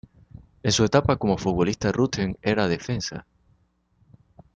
En su etapa como futbolista, Rutten era defensa.